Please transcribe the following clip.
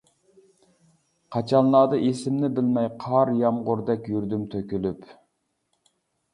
قاچانلاردا ئېسىمنى بىلمەي، قار-يامغۇردەك يۈردۈم تۆكۈلۈپ.